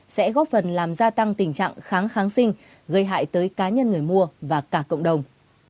sẽ góp phần làm gia tăng tình trạng kháng kháng sinh gây hại tới cá nhân người mua và cả cộng đồng